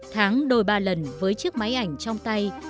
tháng đôi ba lần với chiếc máy ảnh trong tay